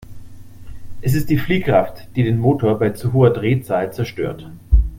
Es ist die Fliehkraft, die den Motor bei zu hoher Drehzahl zerstört.